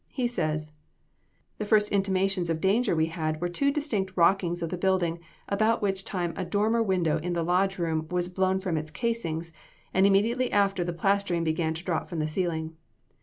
He says: "The first intimations of danger we had were two distinct rockings of the building, about which time a dormer window in the lodge room was blown from its casings, and immediately after the plastering began to drop from the ceiling.